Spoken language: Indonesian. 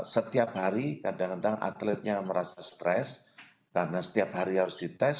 setiap hari kadang kadang atletnya merasa stres karena setiap hari harus dites